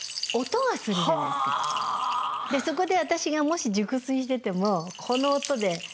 でそこで私がもし熟睡しててもこの音で起きるという。